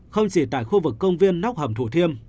không chỉ tại khu vực công viên nóc hầm thủ thiêm